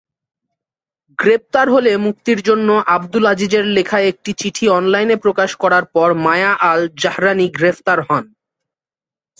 গ্রেপ্তার হলে মুক্তির জন্য আবদুল আজিজের লেখা একটি চিঠি অনলাইনে প্রকাশ করার পর মায়া আল-জাহরানি গ্রেফতার হন।